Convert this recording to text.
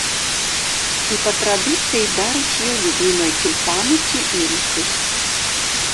І па традыцыі дарыць ёй любімыя цюльпаны ці ірысы.